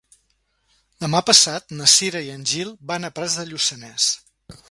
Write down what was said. Demà passat na Cira i en Gil van a Prats de Lluçanès.